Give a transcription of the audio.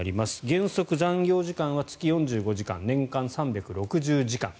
原則、残業時間は月４５時間、年間３６０時間。